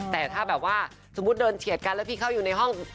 แต่ถ้าแบบว่าสมมุติเดินเฉียดกันแล้วพี่เข้าอยู่ในห้อง